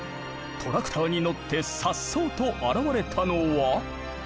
トラクターに乗ってさっそうと現れたのは。